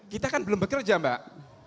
kita kan belum bekerja mbak